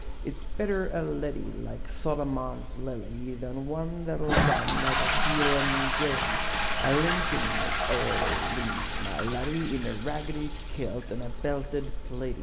It's better a leddie like Solomon's lily Than one that'll run like a Hielan' gillie A linkin' it ower the leas, my laddie, In a raggedy kilt an' a belted plaidie!